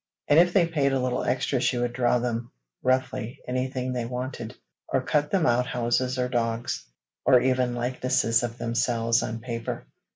And if they paid a little extra she would draw them, roughly, anything they wanted; or cut them out houses or dogs, or even likenesses of themselves on paper.